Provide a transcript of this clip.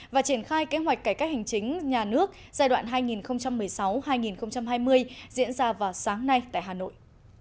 và triển khai kế hoạch cải cách hành chính nhà nước giai đoạn hai nghìn một mươi sáu hai nghìn hai mươi diễn ra vào sáng nay tại hà nội